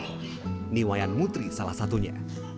ini wayan mutri salah satunya